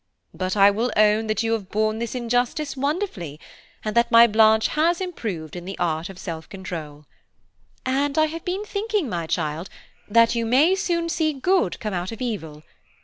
But I will own that you have borne this injustice wonderfully, and that my Blanche has improved in the art of self control. And I have been thinking, my child, that you may soon see good come out of evil.